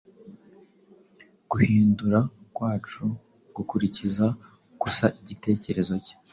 guhindura kwacu gukurikiza gusa igitekerezo cye